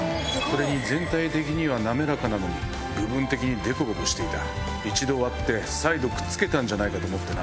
それに全体的には滑らかなのに部分的にデコボコしていた一度割って再度くっつけたんじゃないかと思って。